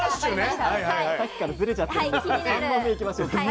さっきからズレちゃってるんですけど３問目いきましょう。